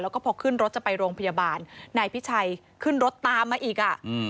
แล้วก็พอขึ้นรถจะไปโรงพยาบาลนายพิชัยขึ้นรถตามมาอีกอ่ะ